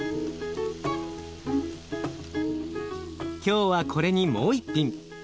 今日はこれにもう一品。